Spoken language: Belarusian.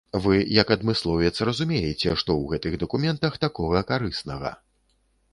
Вы як адмысловец разумееце, што ў гэтых дакументах такога карыснага.